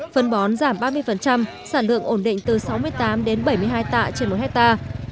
phân bón giảm ba mươi sản lượng ổn định từ sáu mươi tám đến bảy mươi hai tạ trên một hectare